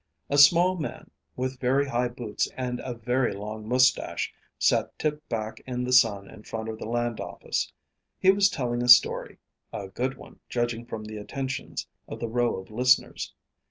A small man, with very high boots and a very long moustache, sat tipped back in the sun in front of the land office. He was telling a story; a good one, judging from the attention of the row of listeners.